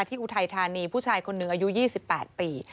อุทัยธานีผู้ชายคนหนึ่งอายุ๒๘ปี